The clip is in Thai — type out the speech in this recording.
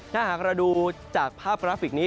ถ้าหากเราดูจากภาพกราฟิกนี้